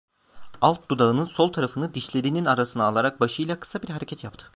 Alt dudağının sol tarafını dişlerinin arasına alarak başıyla kısa bir hareket yaptı.